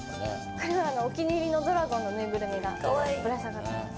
これはお気に入りのドラゴンのぬいぐるみがぶら下がってます。